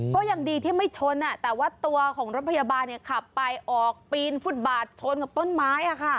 ก็ยังดีที่ไม่ชนแต่ว่าตัวของรถพยาบาลขับไปออกปีนฟุตบาทชนกับต้นไม้